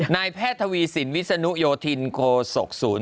นายแพทย์ทวีสินวิศนุโยธินโคศกศูนย์